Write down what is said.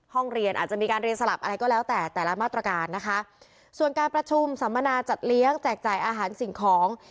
ห้องเรียนอาจจะมีการเรียนสลับอะไรก็แล้วแต่แต่ละมาตรการนะคะส่วนการประชุมสัมมนาจัดเลี้ยงแจกจ่ายอาหารสิ่งของ